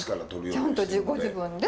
ちゃんとご自分で？